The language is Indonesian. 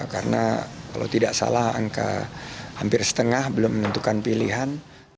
karena kalau tidak salah angka hampir setengah belum menentukan pilihan